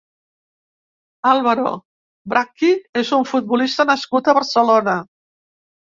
Álvaro Brachi és un futbolista nascut a Barcelona.